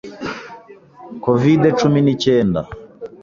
Covide cumi n,icyenda